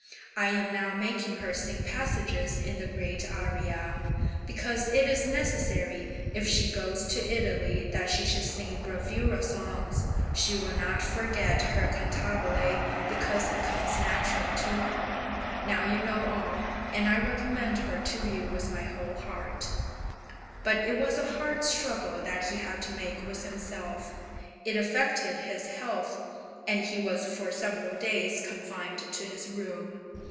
I am now making her sing passages in the great arie, because it is necessary if she goes to Italy that she should sing bravura songs; she will not forget her cantabile, because it comes natural to her. Now you know all, and I recommend her to you with my whole heart. {MANNHEIM.} (428) But it was a hard struggle that he had to make with himself; it affected his health, and he was for several days confined to his room.